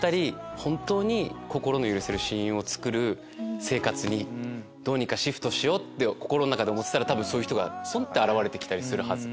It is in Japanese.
本当に心の許せる親友をつくる生活にどうにかシフトしようって心の中で思ってたらそういう人が現れて来たりするはず。